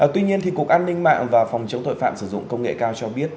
tuy nhiên cục an ninh mạng và phòng chống tội phạm sử dụng công nghệ cao cho biết